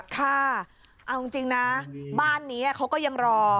ค่ะเอาจริงนะบ้านนี้เขาก็ยังรอ